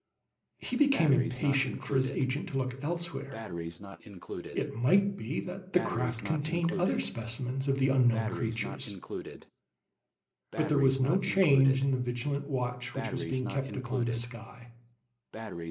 He became impatient for his agent to look elsewhere; it might be that the craft contained other specimens of the unknown creatures. But there was no change in the vigilant watch which was being kept upon the sky.